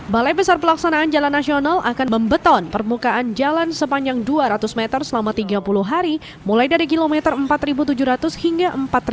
balai besar pelaksanaan jalan nasional akan membeton permukaan jalan sepanjang dua ratus meter selama tiga puluh hari mulai dari kilometer empat tujuh ratus hingga empat ratus